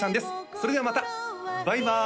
それではまたバイバーイ！